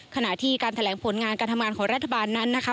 ขณะที่การแถลงผลงานการทำงานของรัฐบาลนั้นนะคะ